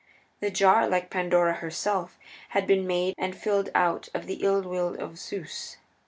The jar, like Pandora herself, had been made and filled out of the ill will of Zeus.